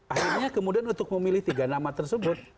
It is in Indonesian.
akhirnya kemudian untuk memilih tiga nama tersebut